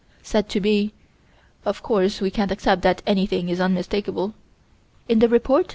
Said to be: of course we can't accept that anything is unmistakable. In the _Rept.